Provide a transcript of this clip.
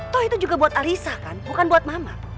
toh itu juga buat alisah kan bukan buat mama